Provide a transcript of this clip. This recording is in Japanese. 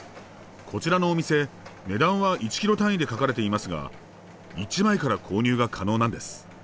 こちらのお店値段は１ｋｇ単位で書かれていますが１枚から購入が可能なんです。